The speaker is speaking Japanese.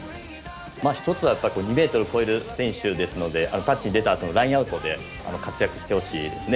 １つは２ｍを超える選手ですのでタッチに出たあとラインアウトで活躍してほしいですね。